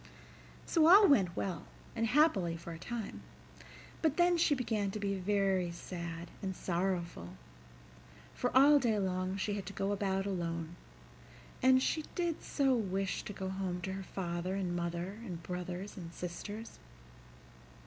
So all went well and happily for a time, but then she began to be very sad and sorrowful, for all day long she had to go about alone; and she did so wish to go home to her father and mother and brothers and sisters.